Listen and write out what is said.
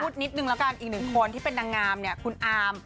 นิดนึงแล้วกันอีกหนึ่งคนที่เป็นนางงามเนี่ยคุณอาม